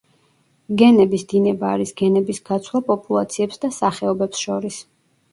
გენების დინება არის გენების გაცვლა პოპულაციებს და სახეობებს შორის.